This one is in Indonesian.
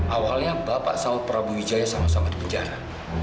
awalnya bapak sama prabu wijaya sama sama di penjara